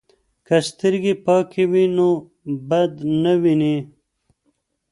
که سترګې پاکې وي نو بد نه ویني.